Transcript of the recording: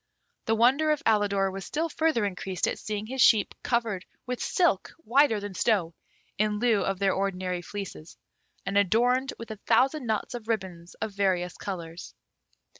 The wonder of Alidor was still further increased at seeing his sheep covered with silk whiter than snow, in lieu of their ordinary fleeces, and adorned with a thousand knots of ribbons of various colours.